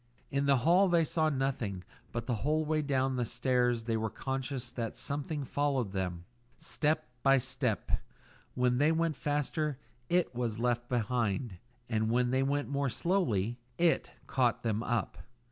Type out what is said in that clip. In the hall they saw nothing, but the whole way down the stairs they were conscious that someone followed them; step by step; when they went faster IT was left behind, and when they went more slowly IT caught them up.